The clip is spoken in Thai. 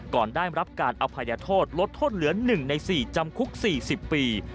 ก่อนได้รับการอภัยโทษลดโทษเหลือ๑ใน๔จำคุก๔๐ปี